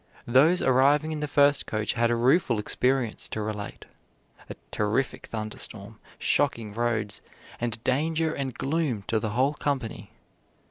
Those arriving in the first coach had a rueful experience to relate a terrific thunder storm, shocking roads, and danger and gloom to the whole company.